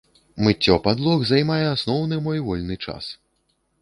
Мыццё падлог займае асноўны мой вольны час.